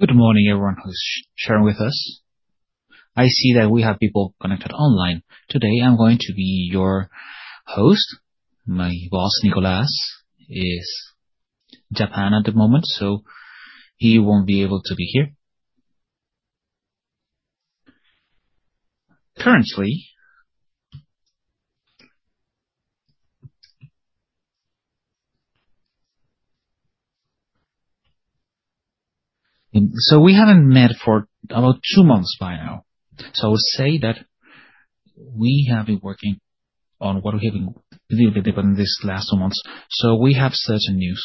Good morning everyone who's sharing with us. I see that we have people connected online. Today I'm going to be your host. My boss, Nicolás, is in Japan at the moment, so he won't be able to be here. We haven't met for about two months by now. Say that we have been working on what we have been a little bit different these last two months. We have certain news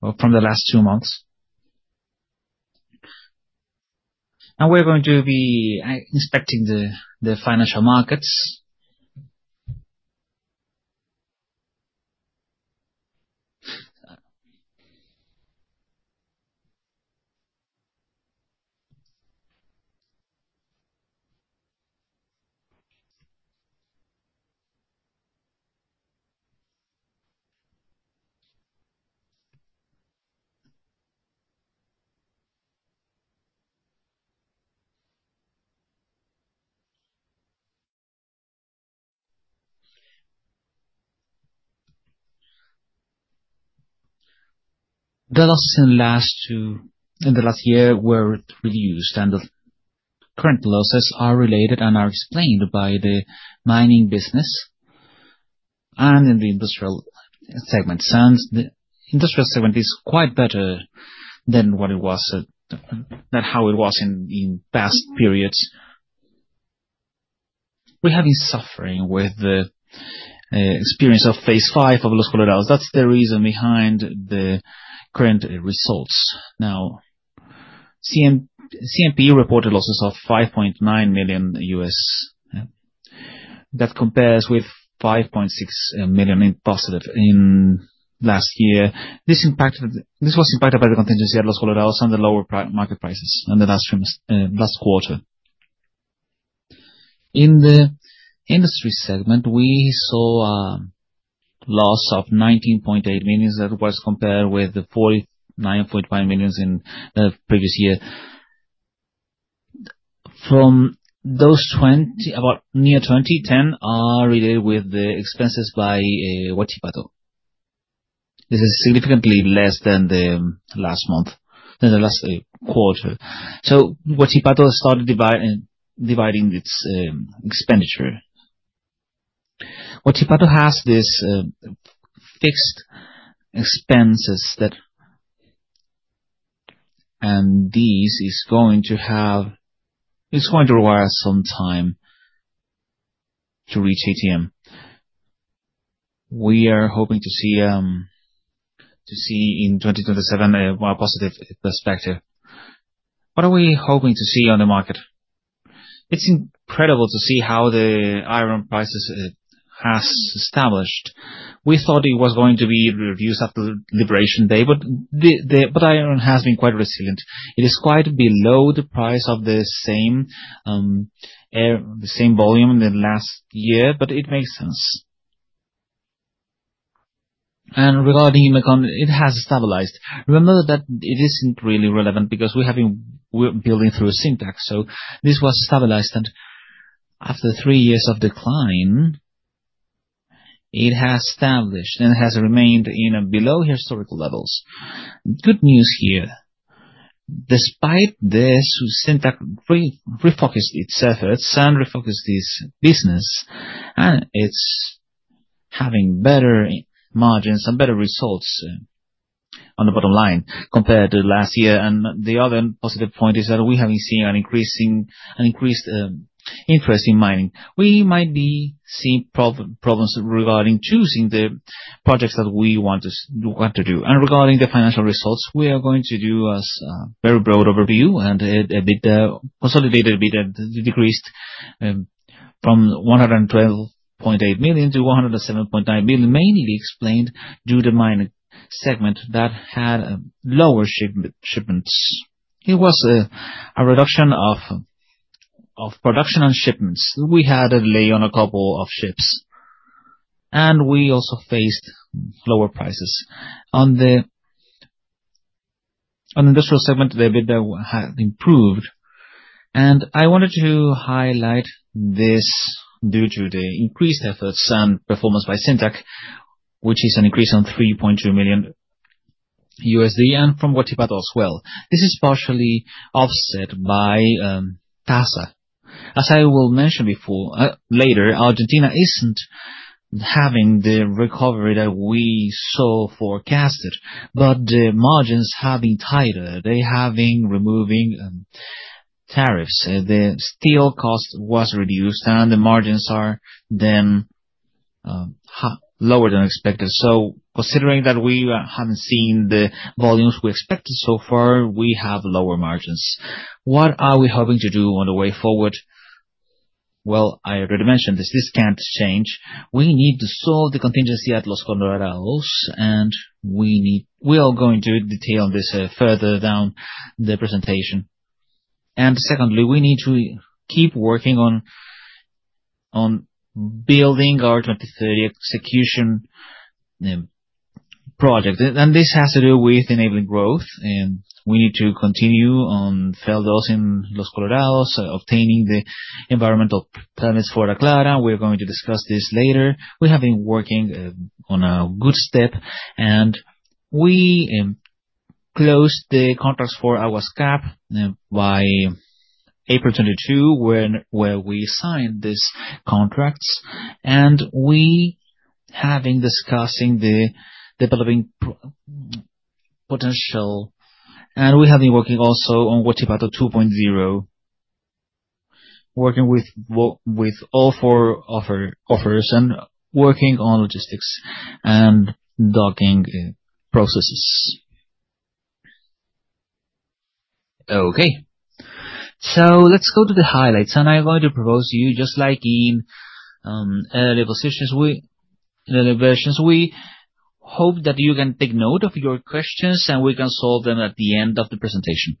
from the last two months. We're going to be inspecting the financial markets. The losses in the last year were reduced, and the current losses are related and are explained by the mining business and in the industrial segment. Since the industrial segment is quite better than how it was in past periods. We have been suffering with the experience of phase V of Los Colorados. That's the reason behind the current results. Now, CMP reported losses of $5.9 million. That compares with $5.6 million positive in last year. This was impacted by the contingency at Los Colorados and the lower market prices in the last quarter. In the industry segment, we saw a loss of $19.8 million. That was compared with the $49.5 million in the previous year. From those, about nearly 20, 10 are related with the expenses by Huachipato. This is significantly less than the last quarter. Huachipato started dividing its expenditure. Huachipato has this fixed expenses that. It's going to require some time to reach ATM. We are hoping to see in 2027 a more positive perspective. What are we hoping to see on the market? It's incredible to see how the iron prices has established. We thought it was going to be reduced after Liberation Day, but iron has been quite resilient. It is quite below the price of the same year, the same volume the last year, but it makes sense. Regarding macro, it has stabilized. Remember that it isn't really relevant because we're building through a Syncback. This was stabilized and after 3 years of decline, it has established and has remained in below historical levels. Good news here. Despite this, Syncback refocused its efforts and refocused its business, and it's having better margins and better results on the bottom line compared to last year. The other positive point is that we have been seeing an increased interest in mining. We might be seeing problems regarding choosing the projects that we want to do. Regarding the financial results, we are going to do a very broad overview and a bit consolidated bit decreased from 112.8 million to 107.9 million, mainly explained due to mining segment that had lower shipments. It was a reduction of production and shipments. We had a delay on a couple of ships, and we also faced lower prices. On the industrial segment, the EBITDA has improved. I wanted to highlight this due to the increased efforts and performance by Cintac, which is an increase on $3.2 million and from Huachipato as well. This is partially offset by TASA. As I will mention later, Argentina isn't having the recovery that we saw forecasted, but the margins have been tighter. They have been removing tariffs. The steel cost was reduced, and the margins are then lower than expected. Considering that we haven't seen the volumes we expected so far, we have lower margins. What are we hoping to do on the way forward? Well, I already mentioned this. This can't change. We need to solve the contingency at Los Colorados, and we are going to detail this further down the presentation. Secondly, we need to keep working on building our 2030 execution project. This has to do with enabling growth, and we need to continue on in Los Colorados, obtaining the environmental permits for Aclara. We're going to discuss this later. We have been working on a good step, and we closed the contracts for our CapEx by April 2022, where we signed these contracts. We have been discussing the developing potential. We have been working also on Huachipato 2.0, working with all four offers and working on logistics and docking processes. Okay. Let's go to the highlights. I'm going to propose you, just like in earlier sessions, earlier versions, we hope that you can take note of your questions, and we can solve them at the end of the presentation.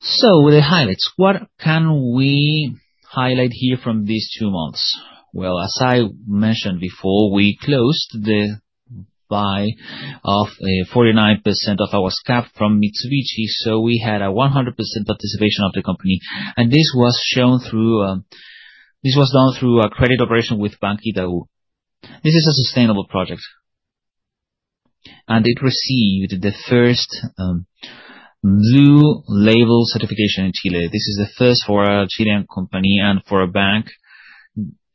The highlights. What can we highlight here from these two months? Well, as I mentioned before, we closed the buy of 49% of our stock from Mitsubishi, so we had 100% participation of the company. This was done through a credit operation with Bank Itaú. This is a sustainable project, and it received the first Blue Bond certification in Chile. This is a first for a Chilean company and for a bank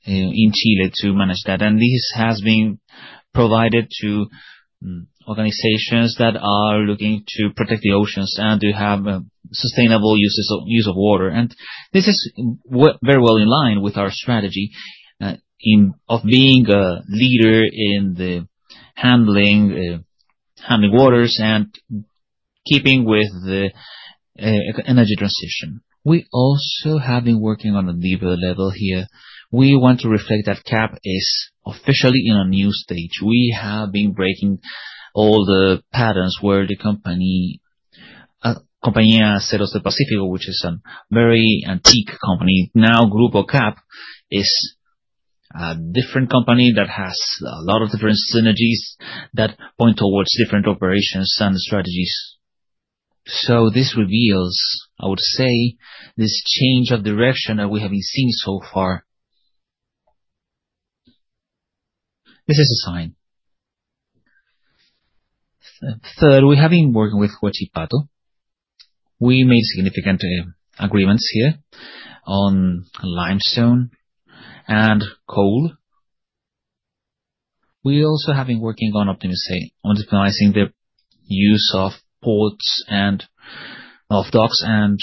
in Chile to manage that. This has been provided to organizations that are looking to protect the oceans and to have sustainable use of water. This is very well in line with our strategy of being a leader in the handling waters and keeping with the energy transition. We also have been working on a deeper level here. We want to reflect that CAP is officially in a new stage. We have been breaking all the patterns where the company, Compañía de Aceros del Pacífico, which is a very antique company. Now, Grupo CAP is a different company that has a lot of different synergies that point towards different operations and strategies. This reveals, I would say, this change of direction that we have been seeing so far. This is a sign. Third, we have been working with Huachipato. We made significant agreements here on limestone and coal. We also have been working on optimizing the use of ports and of docks and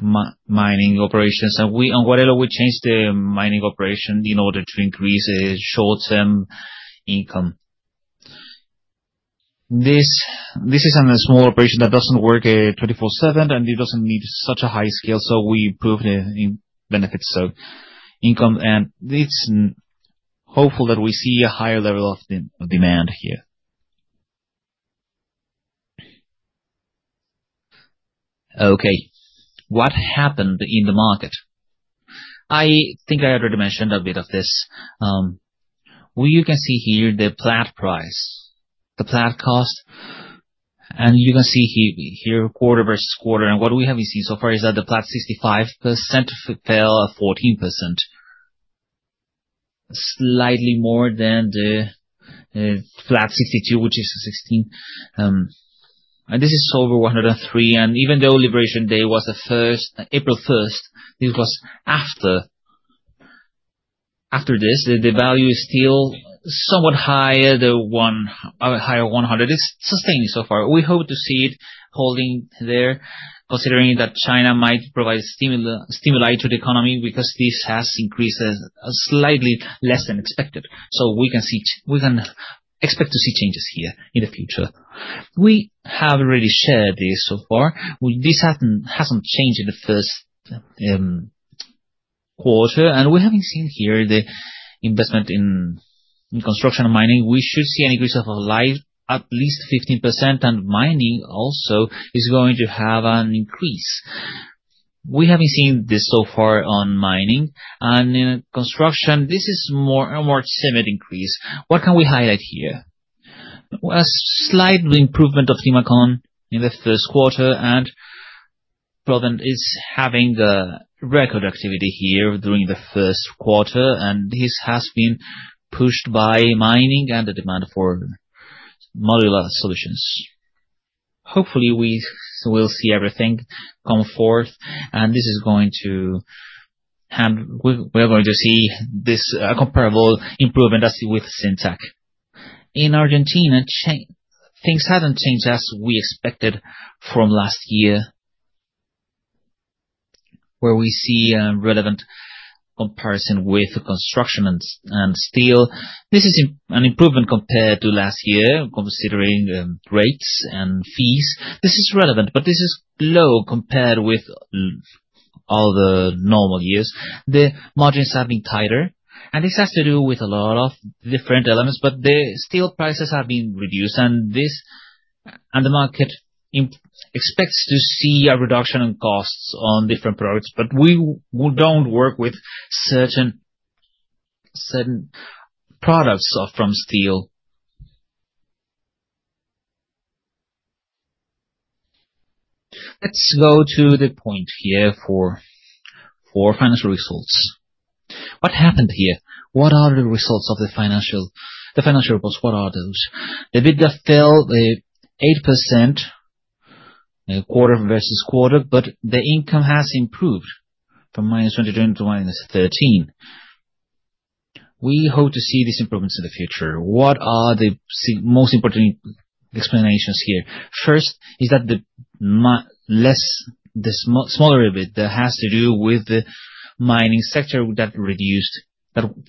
mining operations. On where that would change the mining operation in order to increase its short-term income. This is on a small operation that doesn't work 24/7, and it doesn't need such a high scale, so we improved the benefits of income. It's hopeful that we see a higher level of demand here. Okay. What happened in the market? I think I already mentioned a bit of this. Well, you can see here the Fe price, the Fe cost. You can see here quarter-over-quarter. What we have been seeing so far is that the Fe 65% fell 14%. Slightly more than the Fe 62%, which is 16%. This is over 103. Even though Liberation Day was April 1, this was after. After this, the value is still somewhat higher. A higher 100. It's sustained so far. We hope to see it holding there, considering that China might provide stimuli to the economy because this has increased slightly less than expected. We can expect to see changes here in the future. We have already shared this so far. This hasn't changed in the first quarter. We have been seeing here the investment in construction and mining. We should see an increase of, like, at least 15%. Mining also is going to have an increase. We have been seeing this so far on mining. In construction, this is a more similar increase. What can we highlight here? A slight improvement of limestone in the first quarter. Promet is having the record activity here during the first quarter, and this has been pushed by mining and the demand for modular solutions. Hopefully, we'll see everything come forth, and this is going to have. We're going to see this comparable improvement as with Cintac. In Argentina, things haven't changed as we expected from last year, where we see a relevant comparison with the construction and steel. This is an improvement compared to last year, considering rates and fees. This is relevant, but this is low compared with all the normal years. The margins have been tighter, and this has to do with a lot of different elements, but the steel prices have been reduced. This and the market expects to see a reduction in costs on different products, but we don't work with certain products from steel. Let's go to the point here for financial results. What happened here? What are the results of the financial reports? What are those? The EBITDA fell 8%, quarter-over-quarter, but the income has improved from -22% to -13%. We hope to see these improvements in the future. What are the most important explanations here? First is that the smaller EBITDA has to do with the mining sector that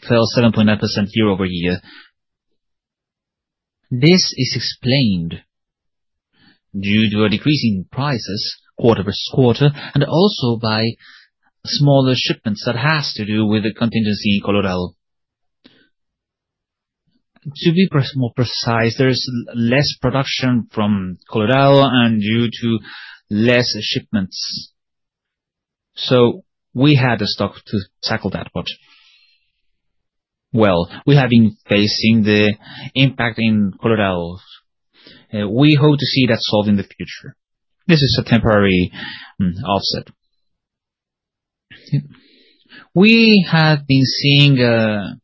fell 7.9% year-over-year. This is explained due to a decrease in prices quarter-over-quarter, and also by smaller shipments that has to do with the contingency in Los Colorados. To be more precise, there is less production from Los Colorados and due to less shipments. We had to stop to tackle that. Well, we have been facing the impact in Los Colorados. We hope to see that solved in the future. This is a temporary offset. We have been seeing a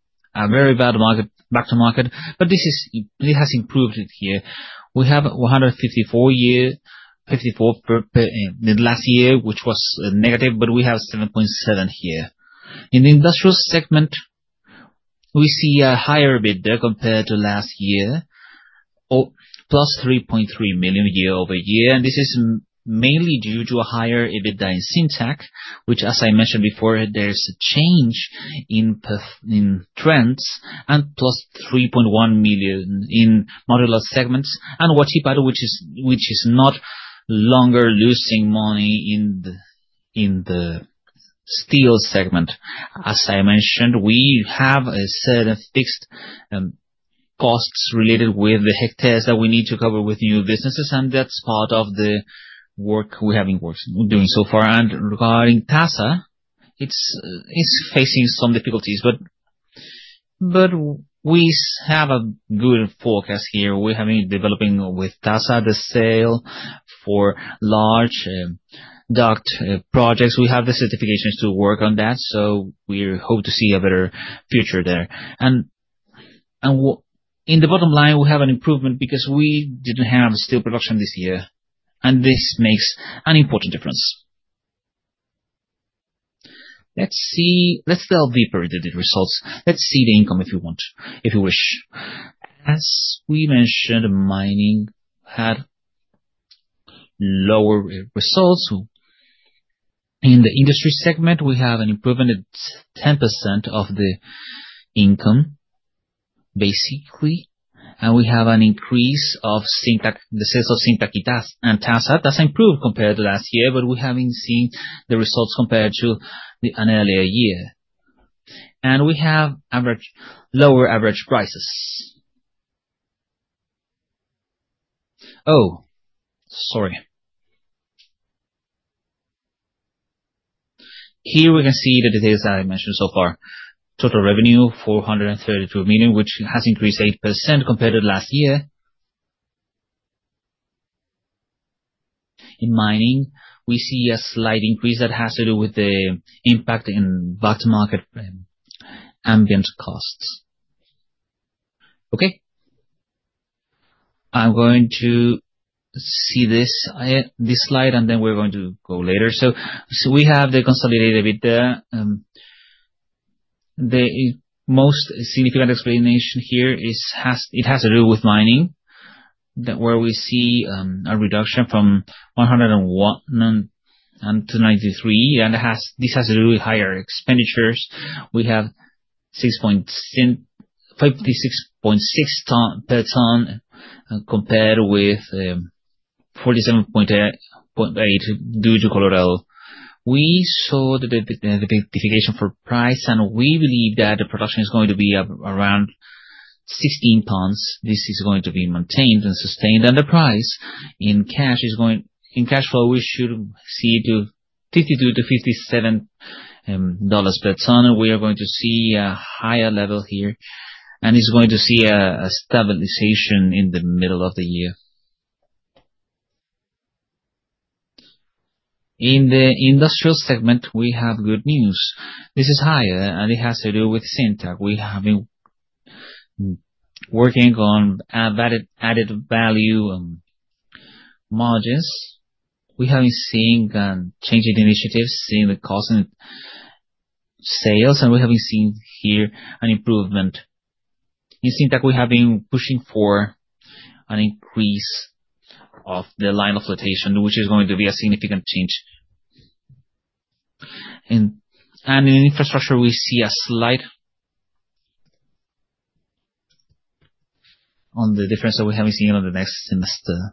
very bad market, bear market, but this has improved here. We have -154 year-over-year, -54% last year, which was negative, but we have 7.7 here. In the industrial segment, we see a higher EBITDA compared to last year, or plus 3.3 million year-over-year. This is mainly due to a higher EBITDA in Cintac, which as I mentioned before, there's a change in trends and plus 3.1 million in modular segments. Huachipato, which is no longer losing money in the steel segment. As I mentioned, we have a set of fixed costs related with the hectares that we need to cover with new businesses, and that's part of the work we have been doing so far. Regarding Tasa, it's facing some difficulties, but we have a good forecast here. We have been developing with Tasa, the sales for large duct projects. We have the certifications to work on that, so we hope to see a better future there. In the bottom line, we have an improvement because we didn't have steel production this year, and this makes an important difference. Let's see. Let's delve deeper into the results. Let's see the income if you want, if you wish. As we mentioned, mining had lower results. In the industry segment, we have an improvement at 10% of the income, basically. We have an increase of Cintac, the sales of Cintac and Tasa. Tasa improved compared to last year, but we have been seeing the results compared to the, an earlier year. We have lower average prices. Oh, sorry. Here we can see the details that I mentioned so far. Total revenue, 432 million, which has increased 8% compared to last year. In mining, we see a slight increase that has to do with the impact in spot market and mine costs. Okay. I'm going to see this slide, and then we're going to go later. We have the consolidated EBITDA. The most significant explanation here is, it has to do with mining, where we see a reduction from 101 to 93, and this has to do with higher expenditures. We have 56.6 tons compared with 47.8 due to Guarello. We saw the dedication for price, and we believe that the production is going to be around 16 tons. This is going to be maintained and sustained. The cash cost is going. In cash flow, we should see the $52-$57 per ton. We are going to see a higher level here, and it's going to see a stabilization in the middle of the year. In the industrial segment, we have good news. This is higher, and it has to do with Cintac. We have been working on added value margins. We have been seeing changing initiatives, seeing the cost and sales, and we have been seeing here an improvement. In Cintac, we have been pushing for an increase of the line of flotation, which is going to be a significant change. In infrastructure, we see a slight difference that we have been seeing on the next semester.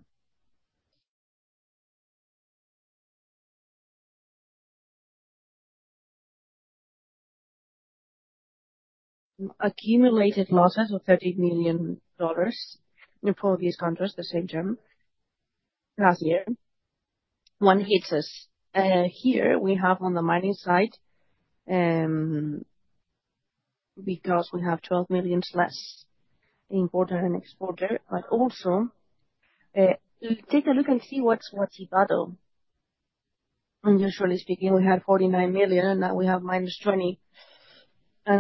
Accumulated losses of $30 million in all these countries the same term last year. One hits us. Here we have on the mining side, because we have $12 million less import and export, but also, take a look and see what's the battle. Usually speaking, we have $49 million, now we have -$20 million.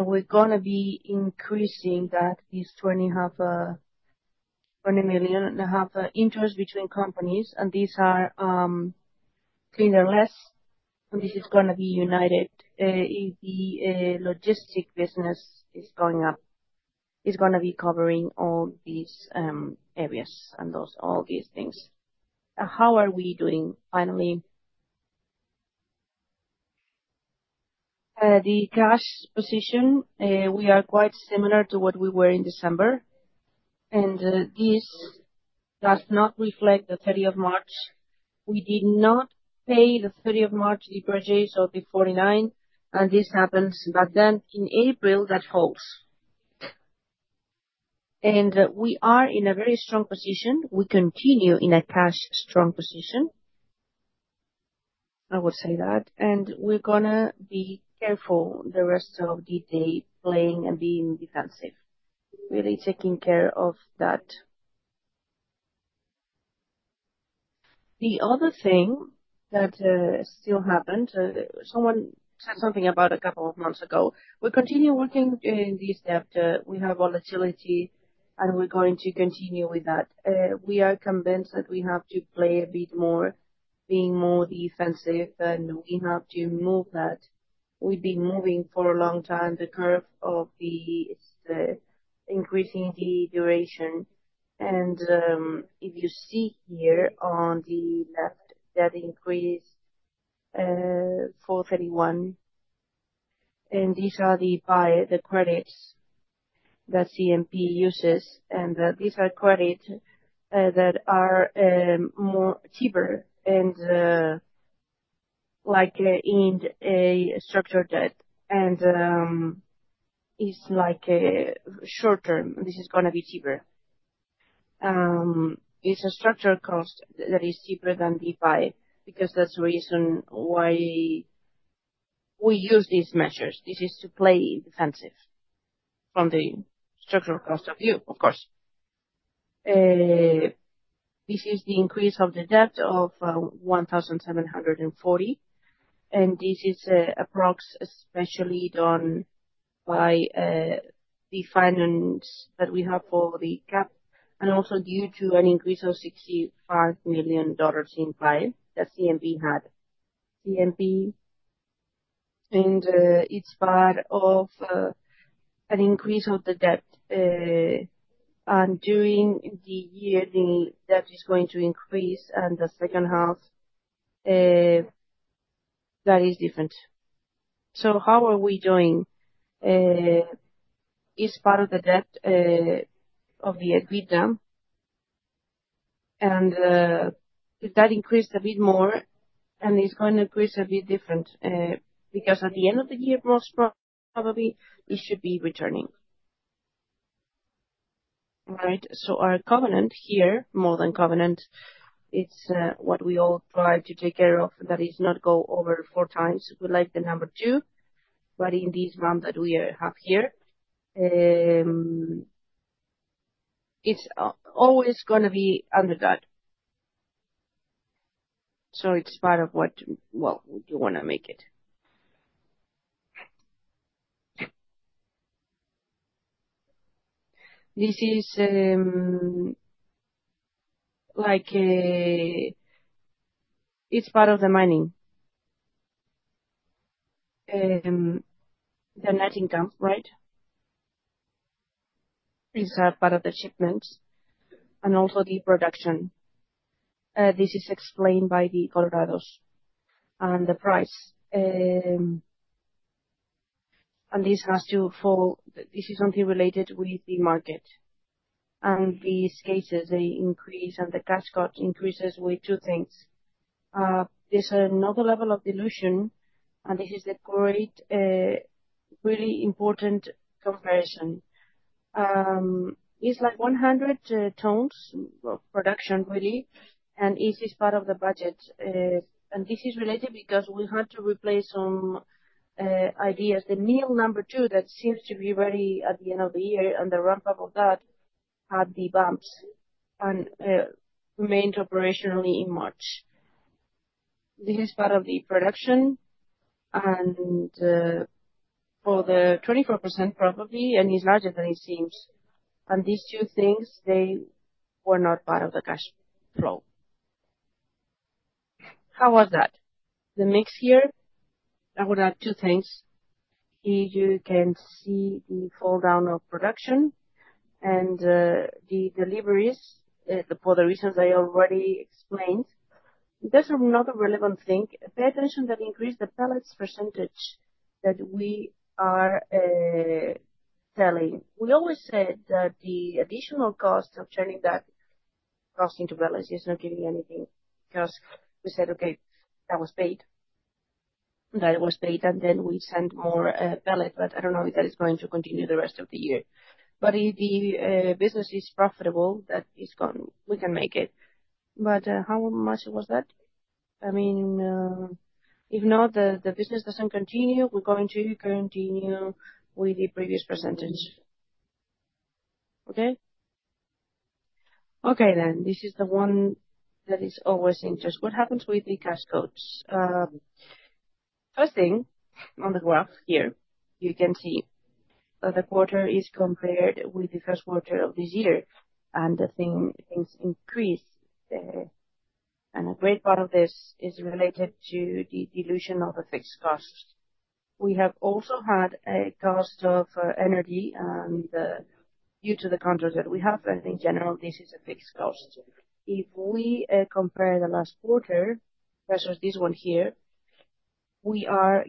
We're gonna be increasing that, this $20 million and a half interest between companies. These are cleaner, less, and this is gonna be united. The logistics business is going up. It's gonna be covering all these areas and those, all these things. How are we doing finally? The cash position, we are quite similar to what we were in December, and this does not reflect the 30 of March. We did not pay the 30 of March the proceeds of the 49. This happens. In April, that helps. We are in a very strong position. We continue in a cash-strong position. I would say that. We're gonna be careful the rest of the day planning and being defensive, really taking care of that. The other thing that still happened, someone said something about a couple of months ago. We continue working on this debt. We have volatility, and we're going to continue with that. We are convinced that we have to play a bit more, being more defensive, and we have to move that. We've been moving for a long time the curve of the. It's increasing the duration. If you see here on the left that increase of $431, and these are the credits that CMP uses, and these are credits that are more cheaper and like in a structured debt. It's like a short term. This is gonna be cheaper. It's a structural cost that is cheaper than the bond because that's the reason why we use these measures. This is to play defensive from the structural cost of view, of course. This is the increase of the debt of $1,740, and this is approximately, especially done by the financing that we have for CAP. Also due to an increase of $65 million in prices that CMP had. CMP, it's part of an increase of the debt, and during the year, the debt is going to increase in the second half, that is different. How are we doing is part of the debt of the agreement. If that increased a bit more, and it's gonna increase a bit different, because at the end of the year, most probably it should be returning. Right. Our covenant here, more than covenant, it's what we all try to take care of that is not go over four times. We like the number two, but in this month that we have here, it's always gonna be under that. It's part of what, well, you wanna make it. This is like a. It's part of the mining. The net income, right? Is that part of the shipments and also the production. This is explained by the Los Colorados and the price. This has to fall. This is something related with the market and these cases, the increase and the cash cost increases with two things. There's another level of dilution, and this is the great really important comparison. It's like 100 tons of production really, and it is part of the budget. This is related because we had to replace some ideas. The mill number two that seems to be ready at the end of the year and the ramp-up of that had the bumps and remained operationally in March. This is part of the production and for the 24% probably, and it's larger than it seems. These two things, they were not part of the cash flow. How was that? The mix here, I would add two things. Here you can see the fall down of production and the deliveries for the reasons I already explained. There's another relevant thing. Pay attention that increased the pellets percentage that we are selling. We always said that the additional cost of turning that cost into pellets is not giving anything because we said, "Okay, that was paid." That was paid and then we send more pellet, but I don't know if that is going to continue the rest of the year. But if the business is profitable, that is gone, we can make it. But how much was that? I mean, if not, the business doesn't continue, we're going to continue with the previous percentage. Okay? Okay then. This is the one that is always of interest. What happens with the cash costs? First thing on the graph here, you can see that the quarter is compared with the first quarter of this year, and things increase, and a great part of this is related to the dilution of the fixed costs. We have also had a cost of energy and due to the contracts that we have, but in general, this is a fixed cost. If we compare the last quarter versus this one here, we are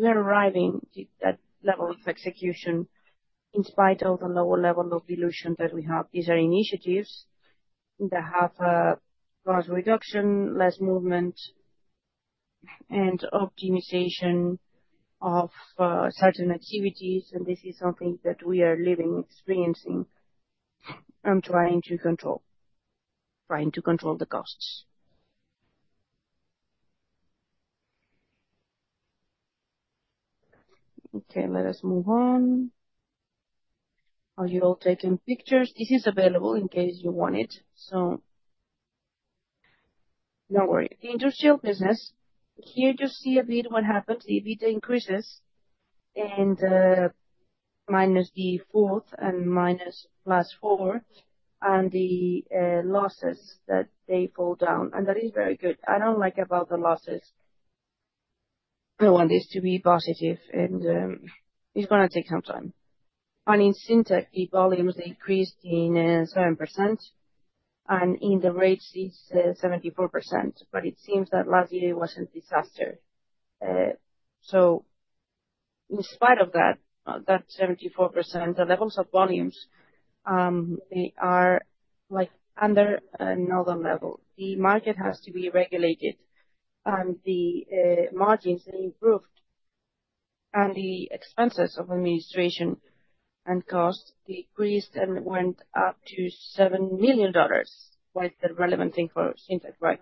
arriving to that level of execution in spite of the lower level of dilution that we have. These are initiatives that have cost reduction, less movement, and optimization of certain activities, and this is something that we are living, experiencing, and trying to control the costs. Okay, let us move on. Are you all taking pictures? This is available in case you want it, so don't worry. Industrial business. Here you see a bit what happens. EBITDA increases and -4 and +4, and the losses that they fall down. That is very good. I don't like about the losses. I want this to be positive and it's gonna take some time. In Cintac, the volumes increased 7%, and in the rates it's 74%. It seems that last year was a disaster. In spite of that 74%, the levels of volumes, they are like under another level. The market has to be regulated and the margins improved and the expenses of administration and costs decreased and went up to $7 million. Quite the relevant thing for Cintac, right?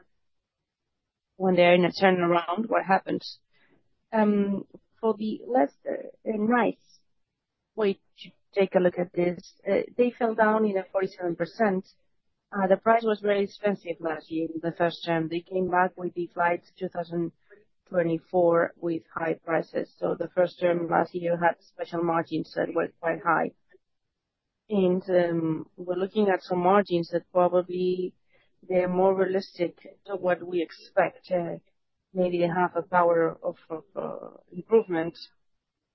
When they're in a turnaround, what happens? For the lower prices, we should take a look at this. They fell down in a 47%. The price was very expensive last year in the first quarter. They came back with the first half 2024 with high prices. The first quarter last year had special margins that were quite high. We're looking at some margins that probably they're more realistic than what we expect, maybe half a percent improvement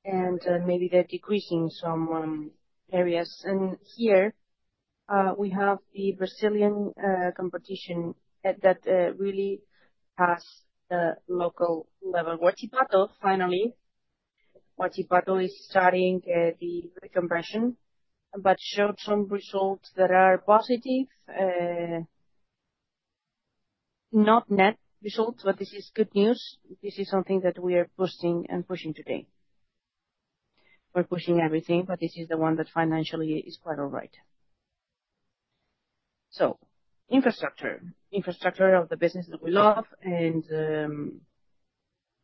and maybe they're decreasing some areas. Here, we have the Brazilian competition that really has the low-cost level. Huachipato, finally. Huachipato is starting the reconversion, but showed some results that are positive. Not net results, but this is good news. This is something that we are pushing and pushing today. We're pushing everything, but this is the one that financially is quite all right. Infrastructure. Infrastructure of the business that we love and,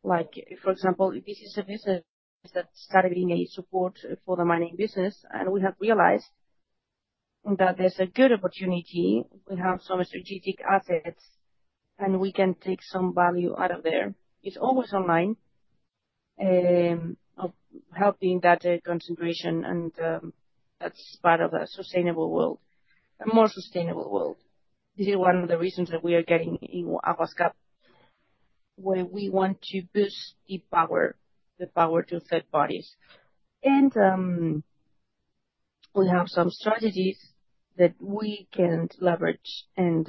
like for example, this is a business that started being a support for the mining business, and we have realized that there's a good opportunity. We have some strategic assets and we can take some value out of there. It's always online of helping that concentration and that's part of a sustainable world, a more sustainable world. This is one of the reasons that we are getting in Aguas CAP, where we want to boost the power to third parties. We have some strategies that we can leverage and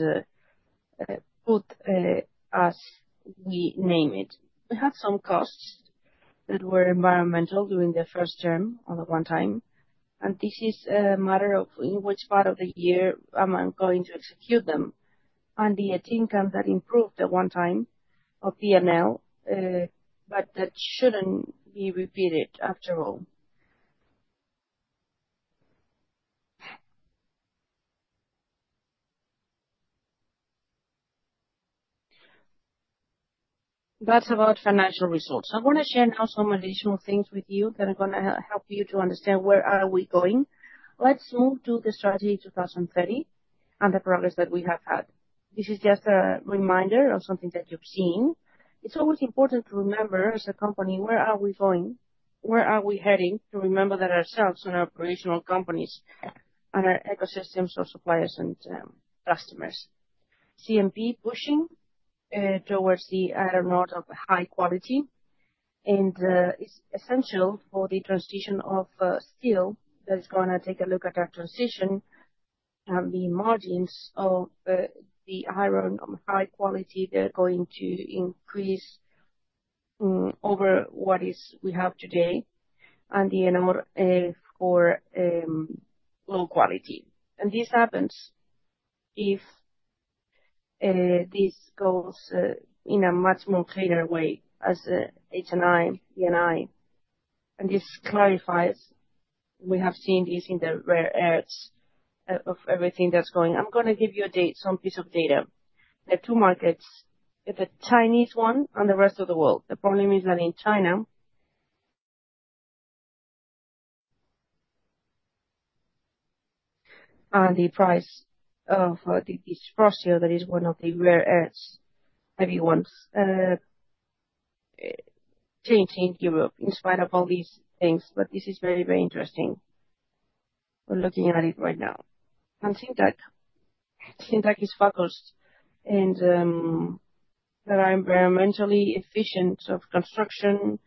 put as we name it. We have some costs that were environmental during the first term on the one-time, and this is a matter of in which part of the year am I going to execute them. The Cintac that improved the one-time of P&L but that shouldn't be repeated after all. That's about financial results. I wanna share now some additional things with you that are gonna help you to understand where are we going. Let's move to the strategy 2030 and the progress that we have had. This is just a reminder of something that you've seen. It's always important to remember as a company, where are we going? Where are we heading? To remember that ourselves and our operational companies and our ecosystems of suppliers and, customers. CMP pushing towards the iron ore of high quality, and it's essential for the transition of steel that is gonna take a look at our transition and the margins of the iron of high quality that are going to increase. Over what we have today and the NMO for low quality. This happens if this goes in a much more clearer way as HBI. This clarifies, we have seen this in the rare earths of everything that's going. I'm gonna give you a date, some piece of data. There are two markets, there's the Chinese one and the rest of the world. The problem is that in China. The price of the dysprosium, that is one of the rare earths that he wants, changing Europe in spite of all these things. This is very, very interesting. We're looking at it right now. Cintac is focused and that are environmentally efficient of construction,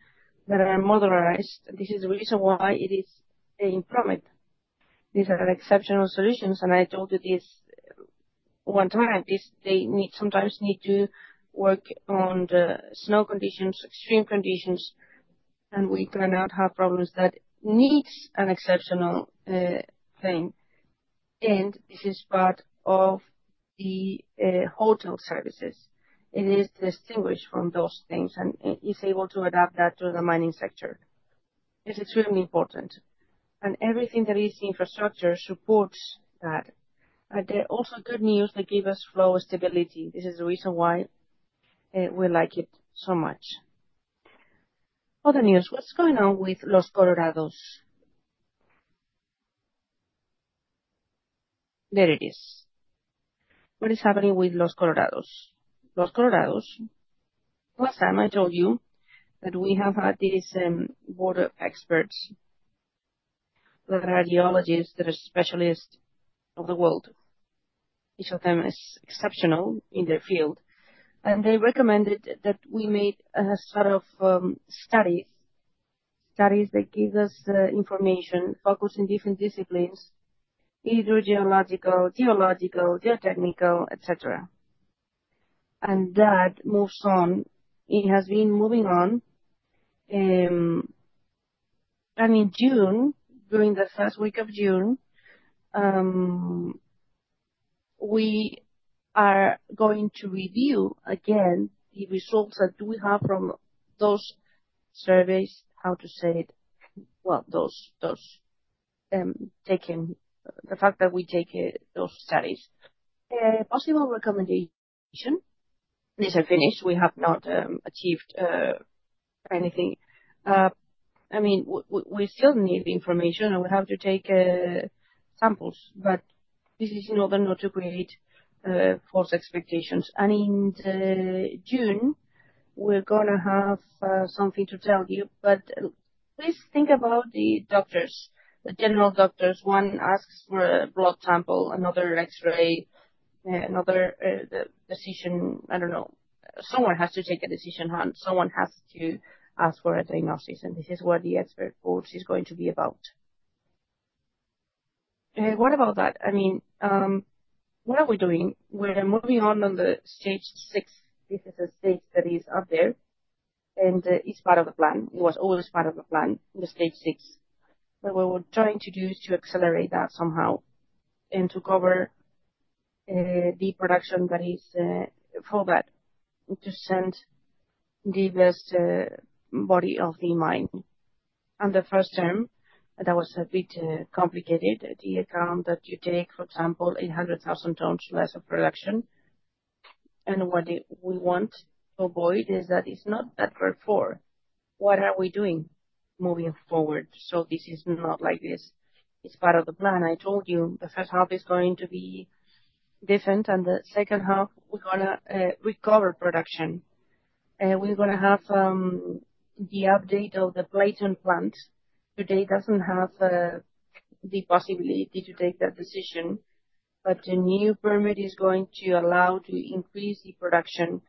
that are motorized. This is the reason why it is a permit. These are exceptional solutions, and I told you this one time. They sometimes need to work on the snow conditions, extreme conditions, and we cannot have problems that needs an exceptional thing. This is part of the hotel services. It is distinguished from those things, and it's able to adapt that to the mining sector. This is really important. Everything that is infrastructure supports that. They're also good news that give us flow stability. This is the reason why we like it so much. Other news. What's going on with Los Colorados? There it is. What is happening with Los Colorados? Los Colorados, last time I told you that we have had this board of experts that are geologists, that are specialists of the world. Each of them is exceptional in their field. They recommended that we made a sort of studies. Studies that give us the information, focus on different disciplines, either geological, geotechnical, et cetera. That moves on. It has been moving on. In June, during the first week of June, we are going to review again the results that we have from those surveys, how to say it? Well, those taken. The fact that we take those studies. Possible recommendation. These are finished. We have not achieved anything. I mean, we still need information, and we have to take samples. This is in order not to create false expectations. In June, we're gonna have something to tell you. Please think about the doctors, the general doctors. One asks for a blood sample, another X-ray, another decision. I don't know. Someone has to take a decision, Han. Someone has to ask for a diagnosis, and this is what the expert board is going to be about. What about that? I mean, what are we doing? We're moving on to the phase VI. This is a phase that is up there, and it's part of the plan. It was always part of the plan, the phase VI. What we were trying to do is to accelerate that somehow and to cover the production that is for that, and to send the less body of the mine. The first term, that was a bit complicated. The amount that you take, for example, 100,000 tons less of production. What we want to avoid is that it's not that bad for. What are we doing moving forward? This is not like this. It's part of the plan. I told you the first half is going to be different and the second half we're gonna recover production. We're gonna have the update of the Algarrobo plant. Today doesn't have the possibility to take that decision. The new permit is going to allow to increase the production,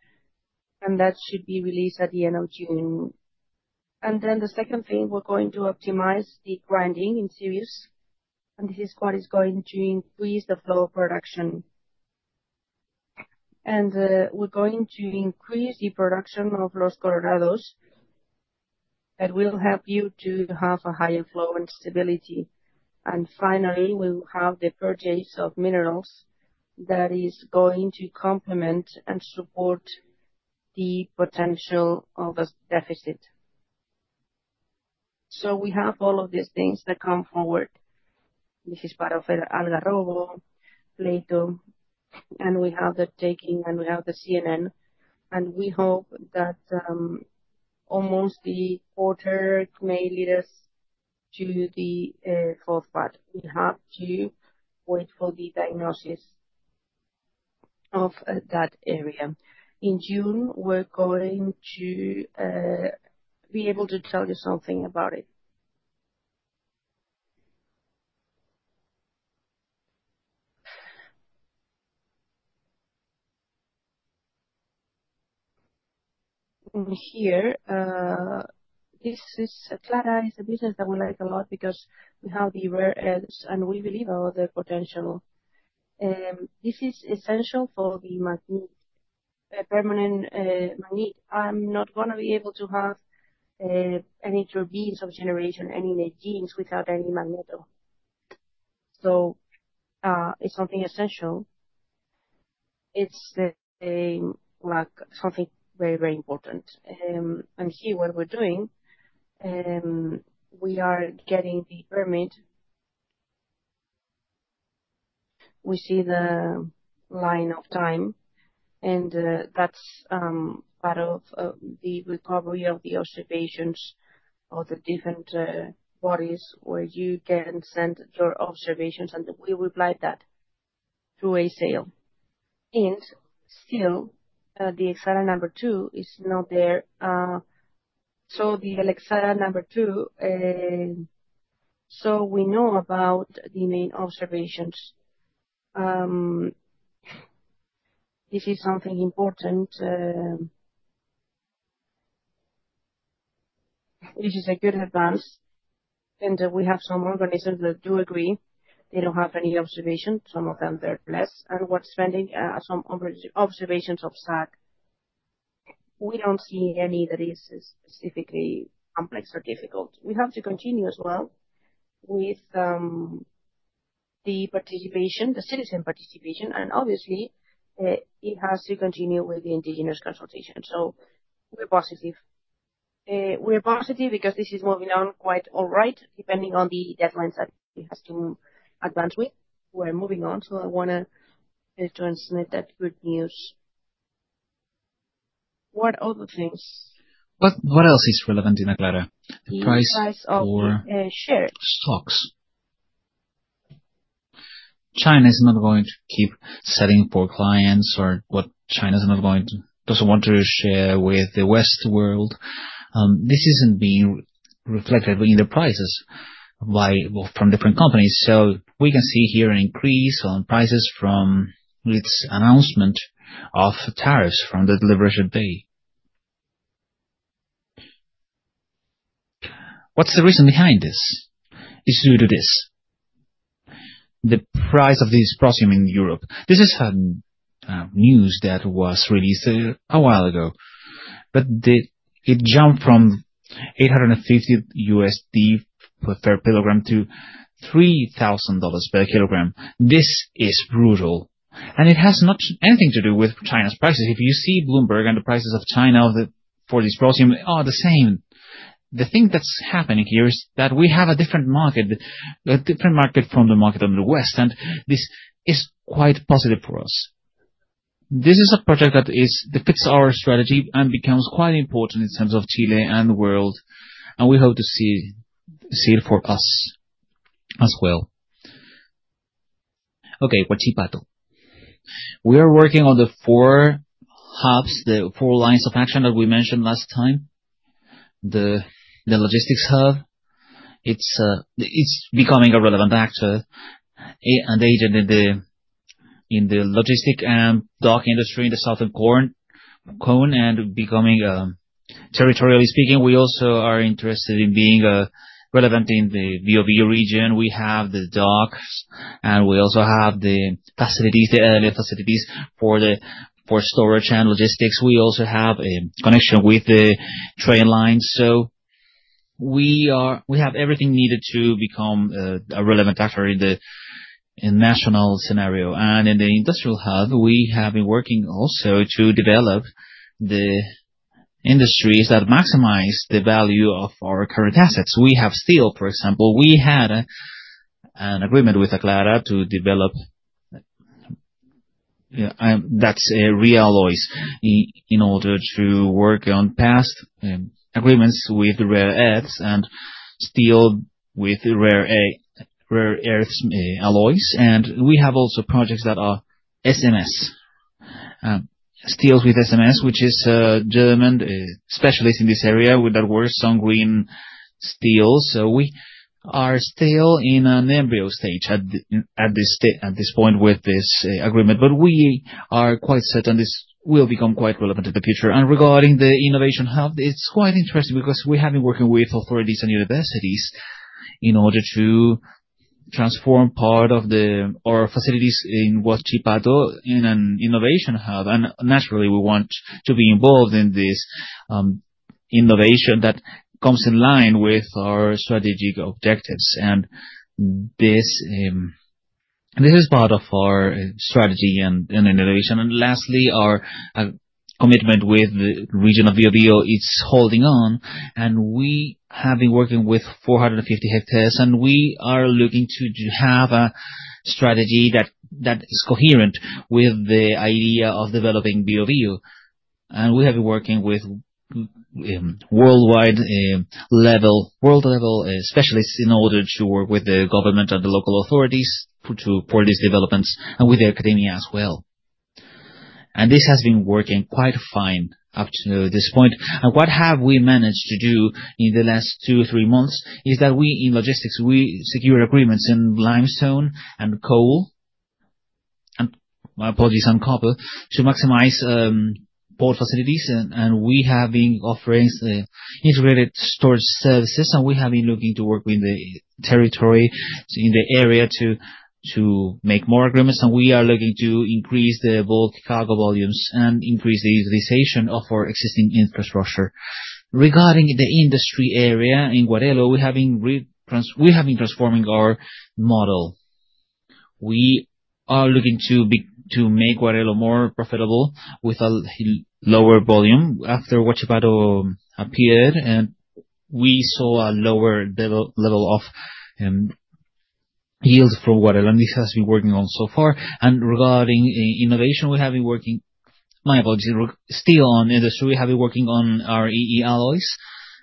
and that should be released at the end of June. The second thing, we're going to optimize the grinding in series, and this part is going to increase the flow of production. We're going to increase the production of Los Colorados. That will help you to have a higher flow and stability. We will have the purchase of minerals that is going to complement and support the potential of a deficit. We have all of these things that come forward. This is part of Algarrobo, Pleito, and we have the Tasa, and we have the CNN. We hope that almost the quarter may lead us to the fourth part. We have to wait for the diagnosis of that area. In June, we're going to be able to tell you something about it. In here, this is Aclara is a business that we like a lot because we have the rare earths, and we believe about the potential. This is essential for the magnet, a permanent magnet. I'm not gonna be able to have any turbines of generation, any machines without any magnet. So, it's something essential. It's like something very, very important. And here what we're doing, we are getting the permit. We see the timeline, and that's part of the reception of the observations of the different bodies where you can send your observations, and we would like that through SEA. Still, the addenda número dos is not there, so we know about the main observations. This is something important. This is a good advance, and we have some organizations that do agree. They don't have any observation. Some of them, they have less. We're receiving some other observations of SEA. We don't see any that is specifically complex or difficult. We have to continue as well with the participation, the citizen participation, and obviously, it has to continue with the indigenous consultation. We're positive. We're positive because this is moving on quite all right, depending on the deadlines that it has to advance with. We're moving on, so I wanna transmit that good news. What other things? What else is relevant in Aclara? The price or- The price of shares Stocks. China is not going to keep selling for clients or doesn't want to share with the Western world. This isn't being reflected in the prices from different companies. We can see here an increase on prices from its announcement of tariffs from the Liberation Day. What's the reason behind this? It's due to this. The price of dysprosium in Europe. This is news that was released a while ago. It jumped from $850 per kilogram to $3,000 per kilogram. This is brutal, and it has nothing to do with China's prices. If you see Bloomberg and the prices of China for dysprosium are the same. The thing that's happening here is that we have a different market from the market of the West, and this is quite positive for us. This is a project that fits our strategy and becomes quite important in terms of Chile and the world, and we hope to see it for us as well. Okay, Huachipato. We are working on the four hubs, the four lines of action that we mentioned last time. The logistics hub. It's becoming a relevant actor and agent in the logistics and dock industry in the Southern Cone. Territorially speaking, we also are interested in being relevant in the Bio Bio region. We have the docks, and we also have the facilities, the early facilities for storage and logistics. We also have a connection with the train lines. We have everything needed to become a relevant actor in the national scenario. In the industrial hub, we have been working to develop the industries that maximize the value of our current assets. We have steel, for example. We had an agreement with Aclara to develop REE alloys in order to work on past agreements with rare earths and steel with rare earths alloys. We have also projects that are SMS steels with SMS, which is a German specialist in this area, with that word, Sungreen Steel. We are still in an embryo stage at this point with this agreement. We are quite certain this will become quite relevant in the future. Regarding the innovation hub, it's quite interesting because we have been working with authorities and universities in order to transform part of our facilities in Huachipato in an innovation hub. Naturally, we want to be involved in this innovation that comes in line with our strategic objectives. This is part of our strategy and innovation. Lastly, our commitment with the region of Biobío is holding on, and we have been working with 450 hectares, and we are looking to have a strategy that is coherent with the idea of developing Biobío. We have been working with worldwide world-level specialists in order to work with the government and the local authorities for these developments and with the academia as well. This has been working quite fine up to this point. What have we managed to do in the last 2, 3 months is that we, in logistics, we secured agreements in limestone and coal and, my apologies, and copper to maximize port facilities. We have been offering integrated storage services, and we have been looking to work with the territory in the area to make more agreements. We are looking to increase the bulk cargo volumes and increase the utilization of our existing infrastructure. Regarding the industry area in Guarello, we have been transforming our model. We are looking to make Guarello more profitable with a lower volume. After Huachipato appeared and we saw a lower level of yields from Guarello, this has been working on so far. Still on industry, we have been working on REE alloys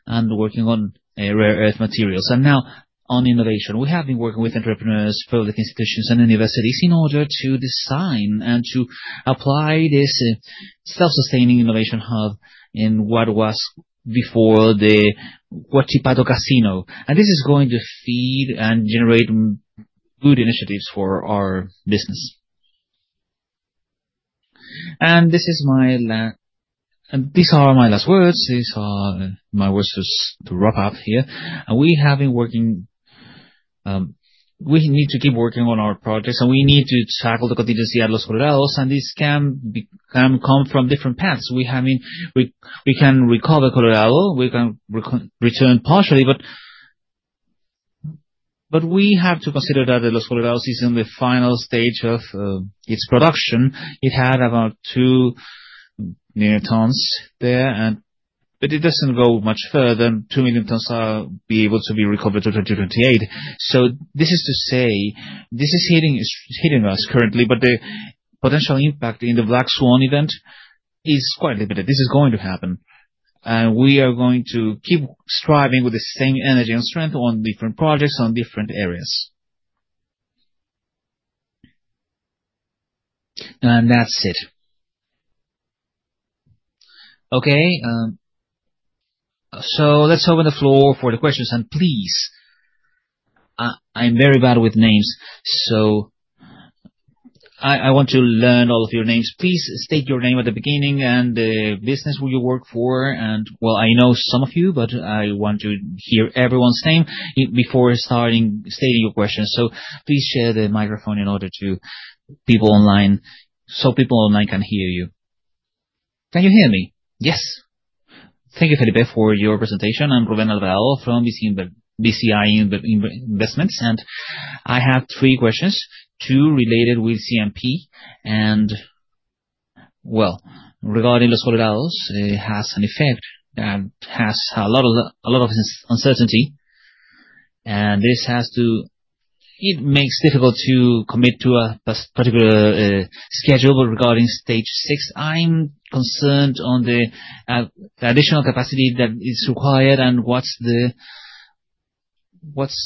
and working on rare earth materials. Now on innovation. We have been working with entrepreneurs, public institutions and universities in order to design and to apply this self-sustaining innovation hub in what was before the Huachipato Casino. This is going to feed and generate good initiatives for our business. These are my last words. These are my words to wrap up here. We need to keep working on our projects, and we need to tackle the contingency at Los Colorados, and this can come from different paths. We can recover Los Colorados. We can recover partially, but we have to consider that Los Colorados is in the final stage of its production. It had about 2 million tons there, but it doesn't go much further. 2 million tons are able to be recovered till 2028. This is to say, this is hitting us currently, but the potential impact in the Black Swan event is quite limited. This is going to happen, and we are going to keep striving with the same energy and strength on different projects, on different areas. That's it. Okay, let's open the floor for the questions. Please, I'm very bad with names, so I want to learn all of your names. Please state your name at the beginning and the business who you work for. I know some of you, but I want to hear everyone's name before stating your questions. Please share the microphone in order for people online to hear you. Can you hear me? Yes. Thank you, Felipe, for your presentation. I'm Rubén Álvarez from BCI Investments, and I have three questions, two related with CMP. Regarding Los Colorados, it has an effect and has a lot of this uncertainty, and this makes difficult to commit to a particular schedule. Regarding stage six, I'm concerned on the additional capacity that is required and what's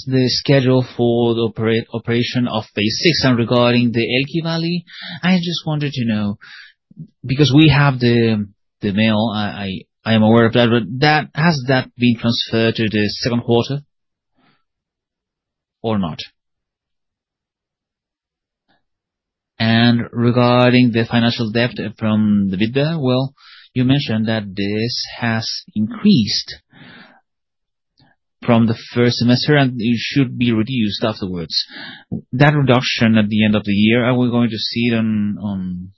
the schedule for the operation of phase VI. Regarding the Elqui Valley, I just wanted to know, because we have the mail, I am aware of that, but has that been transferred to the second quarter or not? Regarding the financial debt from the bidder, well, you mentioned that this has increased from the first semester, and it should be reduced afterwards. That reduction at the end of the year, are we going to see it on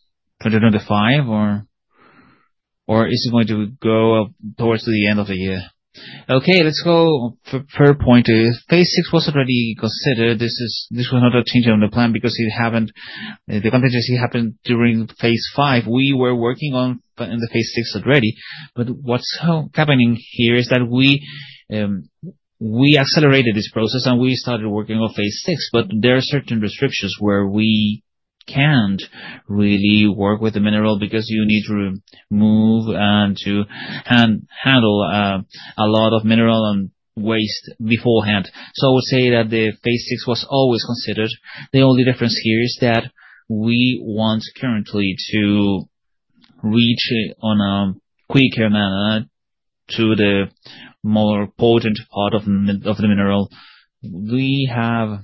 2025, or is it going to go up towards the end of the year? Okay, let's go per point. If phase VI was already considered, this will not change on the plan because the contingency happened during phase V. We were working on in the phase VI already, but what's happening here is that we accelerated this process, and we started working on phase VI. There are certain restrictions where we can't really work with the mineral because you need to move and handle a lot of mineral and waste beforehand. I would say that the phase VI was always considered. The only difference here is that we want currently to reach it on a quicker manner to the more potent part of the mineral. We have.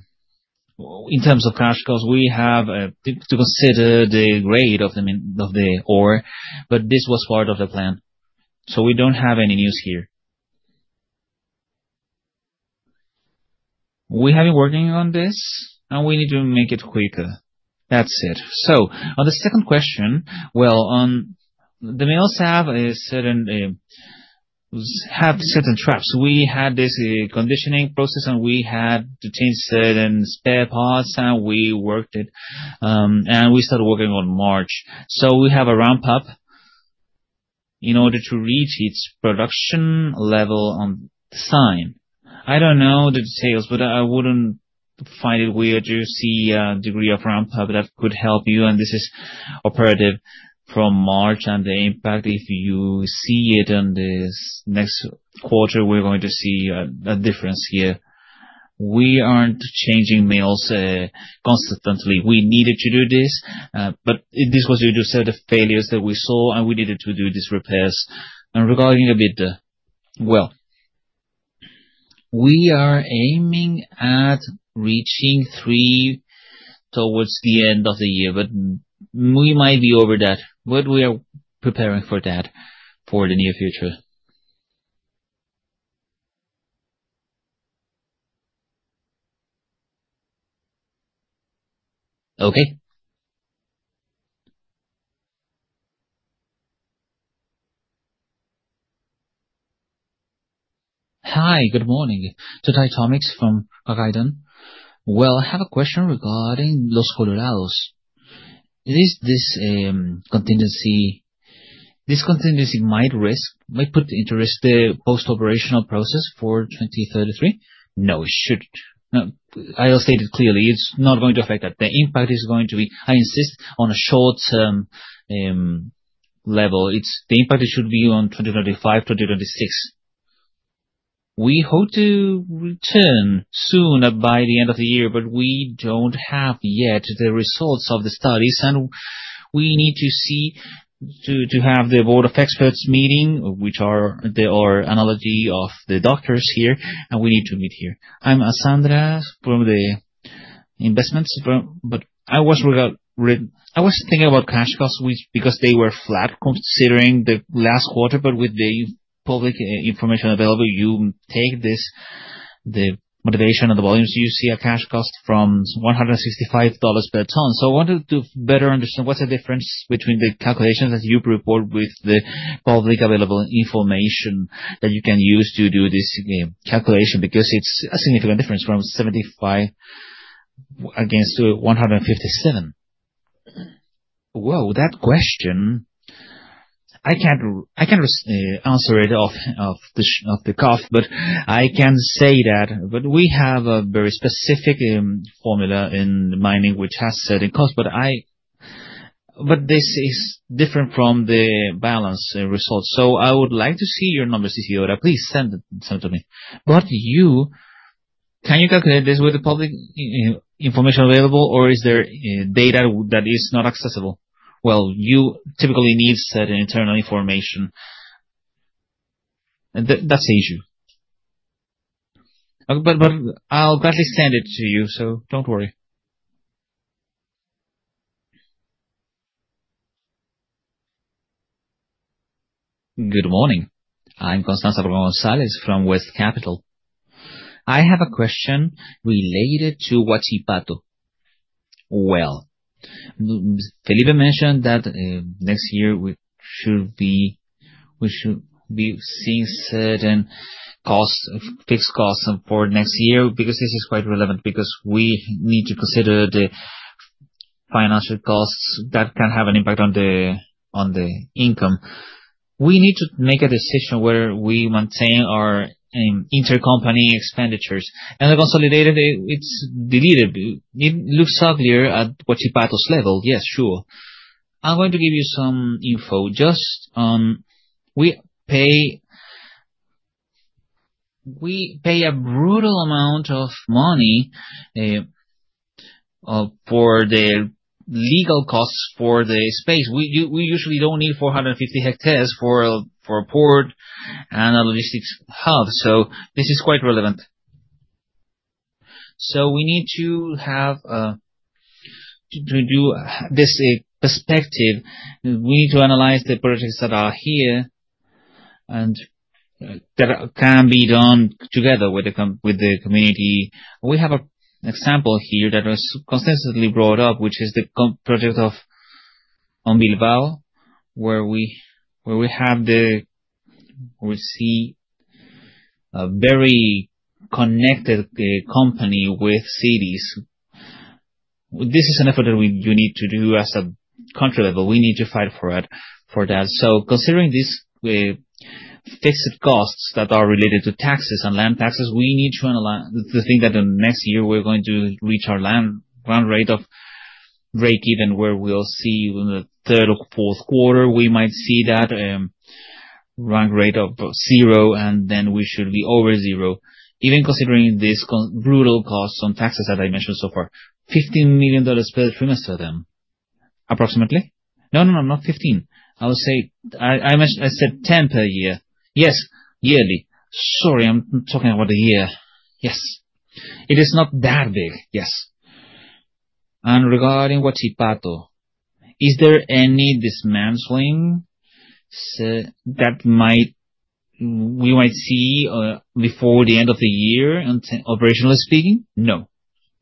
In terms of cash costs, we have to consider the grade of the ore, but this was part of the plan. We don't have any news here. We have been working on this, and we need to make it quicker. That's it. On the second question, well, the mills have certain trips. We had this conditioning process, and we had to change certain spare parts, and we worked it, and we started working on March. We have a ramp up in order to reach its production level on design. I don't know the details, but I wouldn't find it weird to see a degree of ramp up that could help you. This is operative from March. The impact, if you see it in this next quarter, we're going to see a difference here. We aren't changing mills consistently. We needed to do this, but this was due to certain failures that we saw, and we needed to do these repairs. Regarding the bidder, we are aiming at reaching 3 towards the end of the year, but we might be over that. We are preparing for that for the near future. Okay. Hi, good morning. Tomás Araidan. I have a question regarding Los Colorados. Is this contingency might put at risk the post-operational process for 2033? No, it shouldn't. No. I'll state it clearly. It's not going to affect that. The impact is going to be, I insist, on a short-term level. It's the impact it should be on 2035, 2036. We hope to return soon by the end of the year, but we don't have yet the results of the studies, and we need to have the board of experts meeting, which are the analogue of the doctors here, and we need to meet here. I'm Sandra from Investor Relations, but I was thinking about cash costs, which, because they were flat considering the last quarter, but with the publicly available information, you take this, the motivation and the volumes, you see a cash cost of $165 per ton. I wanted to better understand what's the difference between the calculations that you report with the publicly available information that you can use to do this calculation. Because it's a significant difference from $75 against $157. Well, that question, I can't answer it off the cuff, but I can say that but we have a very specific formula in mining which has certain costs. This is different from the balance results. I would like to see your numbers, Sandra. Please send it to me. You can calculate this with the public information available, or is there data that is not accessible? Well, you typically need certain internal information. That's the issue. I'll gladly send it to you, so don't worry. Good morning. I'm Constanza González from Quest Capital. I have a question related to Huachipato. Well, Felipe mentioned that next year we should be seeing certain costs, fixed costs for next year, because this is quite relevant because we need to consider the financial costs that can have an impact on the income. We need to make a decision where we maintain our intercompany expenditures. Consolidated, it's deliverable. It looks uglier at Huachipato's level. Yes, sure. I'm going to give you some info. Just we pay a brutal amount of money for the lease costs for the space. We usually don't need 450 hectares for a port and a logistics hub. This is quite relevant. We need to have a To do this perspective, we need to analyze the projects that are here and that can be done together with the community. We have an example here that was consistently brought up, which is the project of Ombilbal, where we have the. We see a very connected company with society. This is an effort that you need to do as a country level. We need to fight for it, for that. Considering these fixed costs that are related to taxes and land taxes, we need to analyze the thing that the next year we're going to reach our land rate of breakeven, where we'll see in the third or fourth quarter we might see that land rate of 0, and then we should be over 0. Even considering these brutal costs on taxes that I mentioned so far. $15 million per trimester, approximately? No, not 15. I would say I said 10 per year. Yes. Yearly. Sorry, I'm talking about the year. Yes. It is not that big. Yes. Regarding Huachipato, is there any dismantling that we might see before the end of the year operationally speaking? No.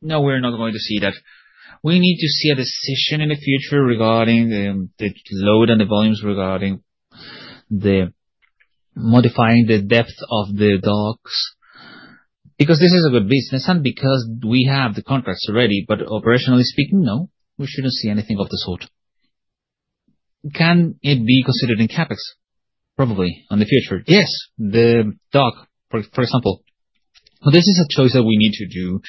We're not going to see that. We need to see a decision in the future regarding the load and the volumes regarding modifying the depth of the docks. Because this is a good business and because we have the contracts already. Operationally speaking, no, we shouldn't see anything of the sort. Can it be considered in CapEx? Probably. In the future? Yes. The dock, for example. This is a choice that we need to do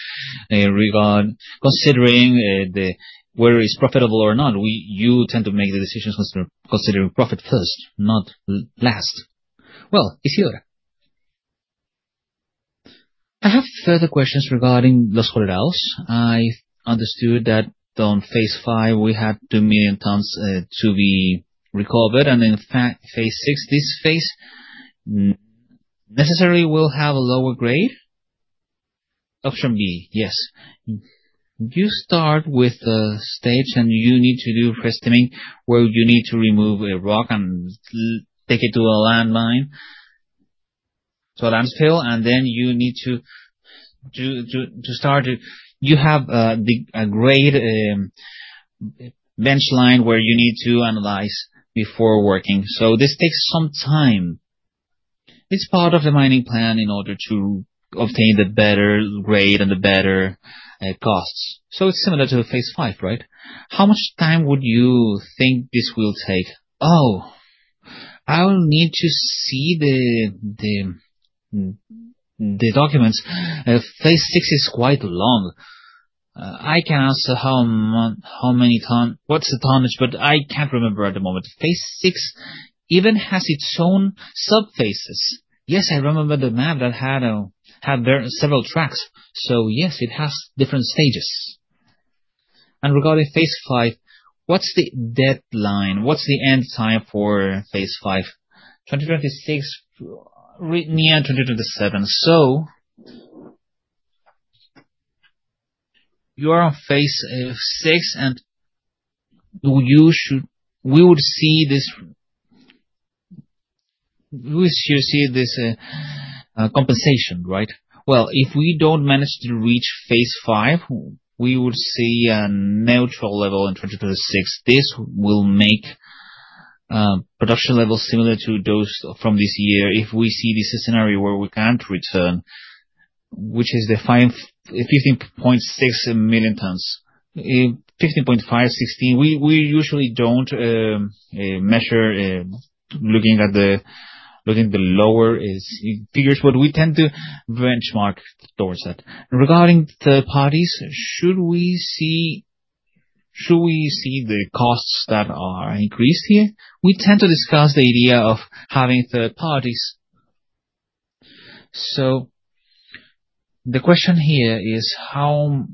regarding, considering whether it's profitable or not. We tend to make the decisions considering profit first, not last. Well, Sandra. I have further questions regarding Los Colorados. I understood that on phase V we have 2 million tons to be recovered, and in phase VI, this phase necessarily will have a lower grade? Yes. You start with the stage, and you need to do where you need to remove a rock and take it to a landfill. So that's still, and then you need to start it. You have a grade benchmark where you need to analyze before working. So this takes some time. It's part of the mining plan in order to obtain the better grade and the better costs. It's similar to a phase V, right? How much time would you think this will take? I'll need to see the documents. phase VI is quite long. I can answer what's the tonnage, but I can't remember at the moment. phase Six even has its own sub-phases. I remember the map that had there several tracks. Yes, it has different stages. Regarding phase Five, what's the deadline? What's the end time for phase V? 2026, right? Near 2027. You are on phase VI, and we would see this. We should see this compensation, right? If we don't manage to reach phase V we would see a neutral level in 2026. This will make production levels similar to those from this year. If we see this scenario where we can't return, which is the 15.6 million tons. 15.5, 16. We usually don't measure looking at the lower figures, but we tend to benchmark towards that. Regarding third parties, should we see the costs that are increased here? We tend to discuss the idea of having third parties. The question here is how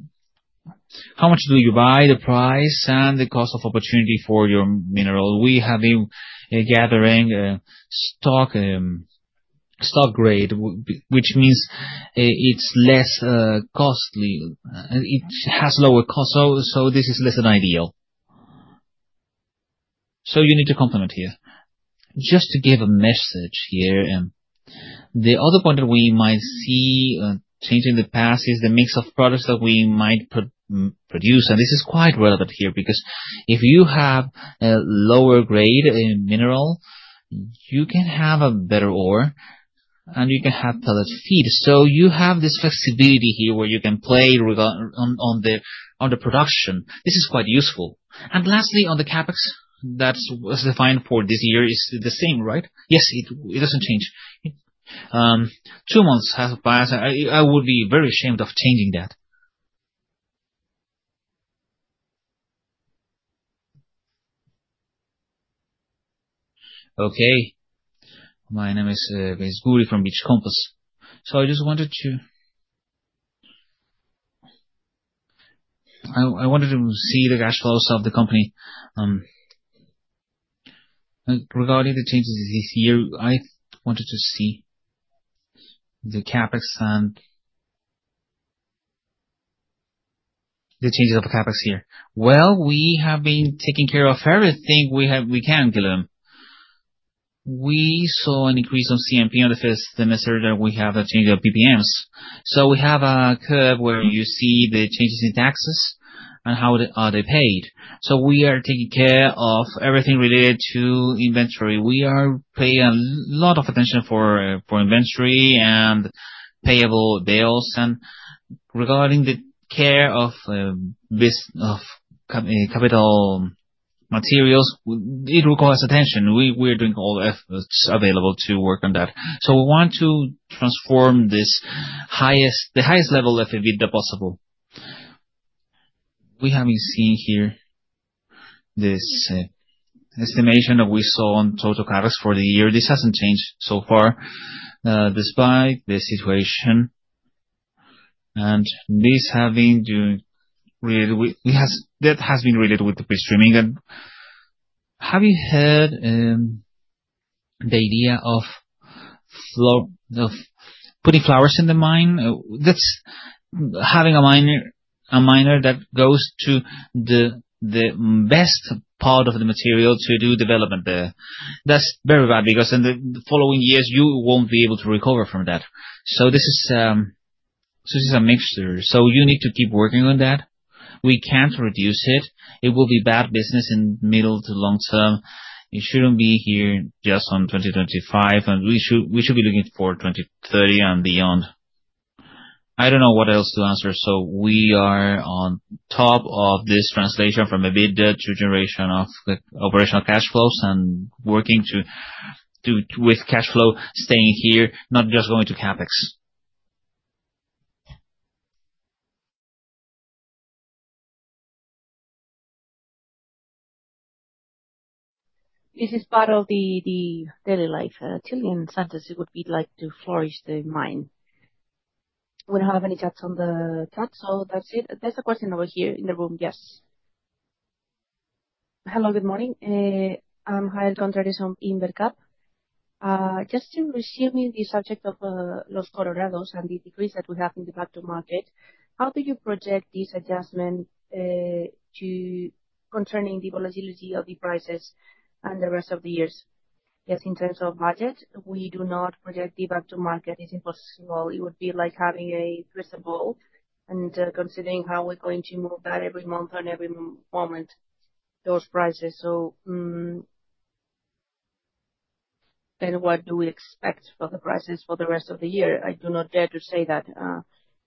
much do you buy the price and the opportunity cost for your mineral. We have been gathering stock grade which means it's less costly. It has lower costs, so this is less than ideal. You need to complement here. Just to give a message here, the other point that we might see change in the forecast is the mix of products that we might produce. This is quite relevant here, because if you have a lower grade in mineral, you can have a better ore, and you can have Pellet Feed. You have this flexibility here where you can play with regard to the production. This is quite useful. Lastly, on the CapEx that's defined for this year is the same, right? Yes. It doesn't change. Two months have passed. I would be very ashamed of changing that. Okay. My name is from Bice Compass. I just wanted to see the cash flows of the company regarding the changes this year. I wanted to see the CapEx and the changes of the CapEx here. We have been taking care of everything we can, Guillermo. We saw an increase of CMP on the first semester that we have a change of PPMs. We are taking care of everything related to inventory. We are paying a lot of attention for inventory and payable bills. Regarding the care of this capital materials, we do call this attention. We're doing all efforts available to work on that. We want to transform the highest level of EBITDA possible. We have been seeing here this estimation that we saw on total CapEx for the year. This hasn't changed so far despite the situation. That has been related with the pre-stripping. Have we had the idea of high-grading the mine? That's high-grading, a miner that goes to the best part of the material to do development there. That's very bad because in the following years you won't be able to recover from that. This is a mixture. You need to keep working on that. We can't reduce it. It will be bad business in medium- to long-term. It shouldn't be here just on 2025, and we should be looking for 2030 and beyond. I don't know what else to answer. We are on top of this translation from EBITDA to generation of operational cash flows and working to with cash flow staying here, not just going to CapEx. This is part of the daily life, Chilean centers. It would be like to flourish the mind. We don't have any chats on the chat, so that's it. There's a question over here in the room. Yes. Hello, good morning. I'm Jael Contreras from Invercap. Just to resuming the subject of Los Colorados and the decrease that we have in the mark-to-market. How do you project this adjustment concerning the volatility of the prices and the rest of the years? Yes, in terms of budget, we do not project the mark-to-market. It's impossible. It would be like having a crystal ball and considering how we're going to move that every month and every moment, those prices. What do we expect for the prices for the rest of the year? I do not dare to say that.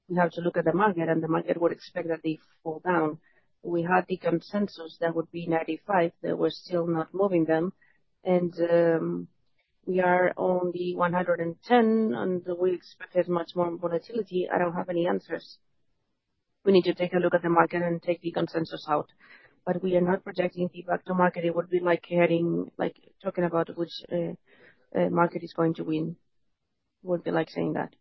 We have to look at the market, and the market would expect that they fall down. We had the consensus that would be 95, that we're still not moving them. We are on the 110, and we expect as much more volatility. I don't have any answers. We need to take a look at the market and take the consensus out. We are not projecting the mark-to-market. It would be like hearing like talking about which market is going to win. It would be like saying that.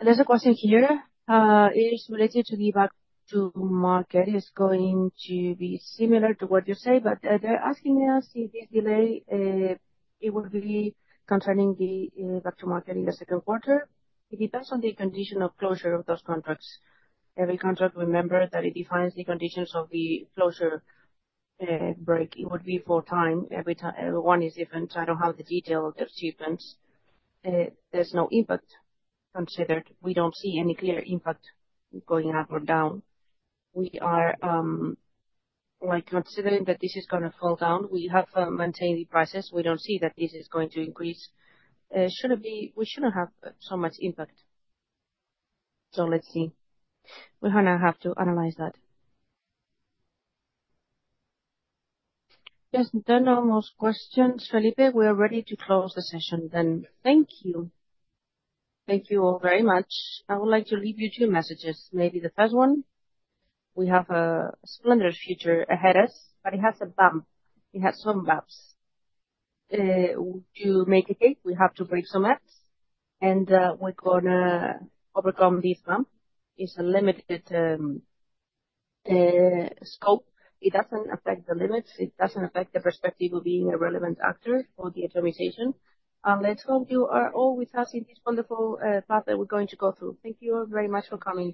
There's a question here. It is related to the mark-to-market. It's going to be similar to what you say, but they're asking us if this delay it would be concerning the mark-to-market in the second quarter. It depends on the condition of closure of those contracts. Every contract, remember that it defines the conditions of the closure, break. It would be for time. Every one is different. I don't have the detail of their sequence. There's no impact considered. We don't see any clear impact going up or down. We are, like considering that this is gonna fall down. We have maintained the prices. We don't see that this is going to increase. We shouldn't have so much impact. Let's see. We're gonna have to analyze that. There's no more questions, Felipe. We are ready to close the session then. Thank you. Thank you all very much. I would like to leave you two messages. Maybe the first one, we have a splendid future ahead us, but it has a bump. It has some bumps. To make a cake, we have to break some eggs, and we're gonna overcome this bump. It's a limited scope. It doesn't affect the limits. It doesn't affect the perspective of being a relevant actor for the electrification. Let's hope you are all with us in this wonderful path that we're going to go through. Thank you all very much for coming.